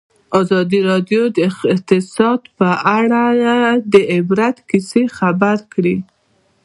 ازادي راډیو د اقتصاد په اړه د عبرت کیسې خبر کړي.